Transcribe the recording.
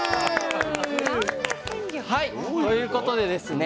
はいということでですね